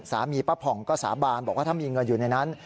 ป้าผ่องก็สาบานบอกว่าถ้ามีเงินอยู่ในนั้น